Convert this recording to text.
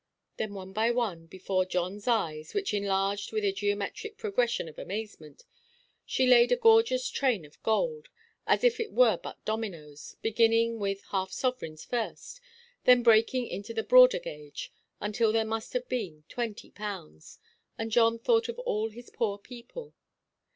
Then, one by one, before Johnʼs eyes, which enlarged with a geometric progression of amazement, she laid a gorgeous train of gold, as if it were but dominoes, beginning with half–sovereigns first, then breaking into the broader gauge, until there must have been twenty pounds, and John thought of all his poor people.